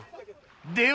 では